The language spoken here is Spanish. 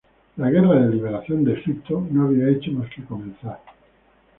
La guerra de "liberación" de Egipto no había hecho más que comenzar.